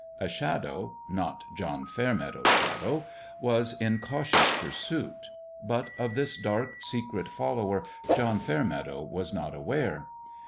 A shadow not John Fairmeadow's shadow was in cautious pursuit; but of this dark, secret follower John Fairmeadow was not aware.